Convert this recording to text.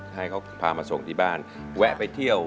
ให้เขาพามาส่งที่บ้านแวะไปเที่ยว